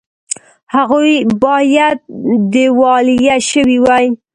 هغوی باید دیوالیه شوي وي